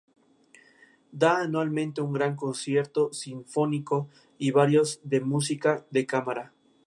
Da anualmente un gran concierto sinfónico y varios de música de cámara.